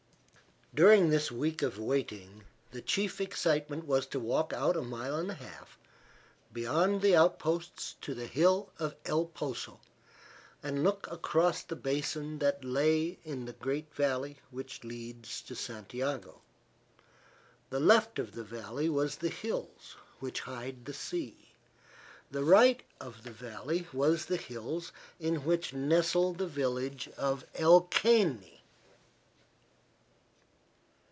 During this week of waiting, the chief excitement was to walk out a mile and a half beyond the outposts to the hill of El Poso, and look across the basin that lay in the great valley which leads to Santiago. The left of the valley was the hills which hide the sea. The right of the valley was the hills in which nestle the village of El Caney.